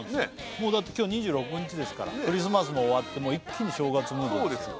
もうだって今日２６日ですからクリスマスも終わって一気に正月ムードそうですよ